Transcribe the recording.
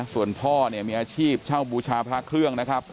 ส่วนพ่อเนี่ยมีอาชีพเช่าบูชาพระเครื่องนะครับ